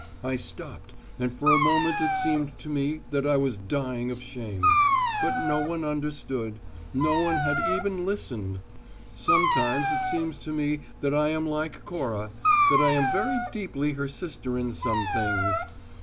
I stopped, and for a moment it seemed to me that I was dying of shame. But no one understood. No one had even listened. ... Sometimes it seems to me that I am like Cora, that I am very deeply her sister in some things.